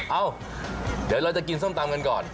เอ้าเดี๋ยวเราจะกินส้มตำกันก่อน